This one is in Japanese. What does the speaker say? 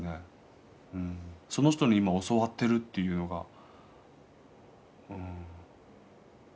その人に今教わっているっていうのがうん。